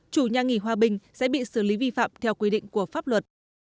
chủ nhà nghỉ hòa bình sẽ bị xử lý vi phạm theo quy định của pháp luật